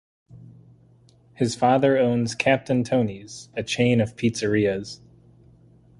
His father owns Captain Tony's, a chain of pizzerias.